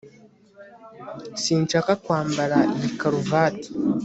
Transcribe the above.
sinshaka kwambara iyi karuvati